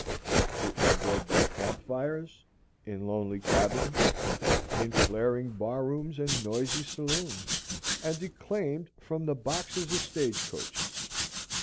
It was read by camp fires, in lonely cabins, in flaring bar rooms and noisy saloons, and declaimed from the boxes of stagecoaches.